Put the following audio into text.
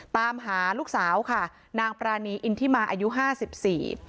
ตามหาลูกสาวค่ะนางปรานีอินทิมาอายุห้าสิบสี่